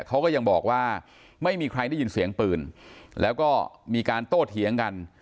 เขาก็ยังบอกว่าไม่มีใครได้ยินเสียงปืนแล้วก็มีการโต้เถียงกัน